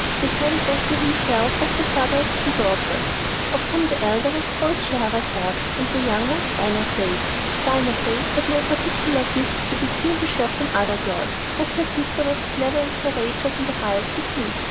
The grand vizir himself was the father of two daughters, of whom the elder was called Scheherazade, and the younger Dinarzade. Dinarzade had no particular gifts to distinguish her from other girls, but her sister was clever and courageous in the highest degree.